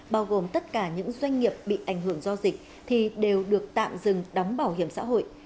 bao gồm tất cả những doanh nghiệp bị ảnh hưởng do dịch thì đều được tạm dừng đóng bảo hiểm xã hội